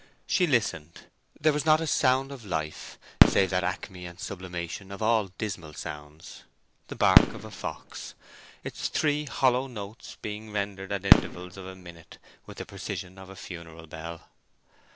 She listened. There was not a sound of life save that acme and sublimation of all dismal sounds, the bark of a fox, its three hollow notes being rendered at intervals of a minute with the precision of a funeral bell.